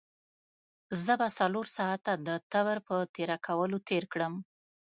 زه به څلور ساعته د تبر په تېره کولو تېر کړم.